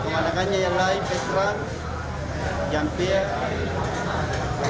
warnanya yang lain petra jampier